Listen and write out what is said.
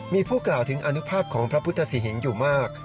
มีผู้กล่าวถึงอนุภาพของพระพุทธศรีหิงอยู่มาก